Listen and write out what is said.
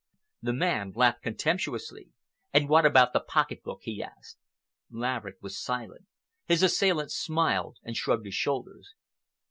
The man laughed contemptuously. "And what about the pocket book?" he asked. Laverick was silent. His assailant smiled and shrugged his shoulders.